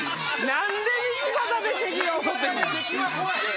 何で道端で敵が襲ってくんの？